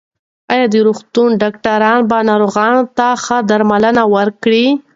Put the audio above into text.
ایا د روغتون ډاکټران به ناروغ ته ښه درمل ورکړي؟